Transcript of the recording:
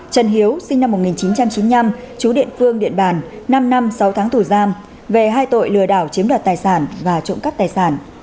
trần hiếu sinh năm một nghìn chín trăm chín mươi năm chú địa phương điện bàn năm năm sáu tháng tù giam về hai tội lừa đảo chiếm đoạt tài sản và trộm cắp tài sản